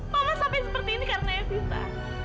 mama sampai seperti ini karena eviva